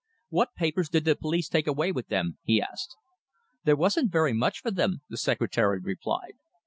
"What papers did the police take away with them?" he asked. "There wasn't very much for them," the secretary replied.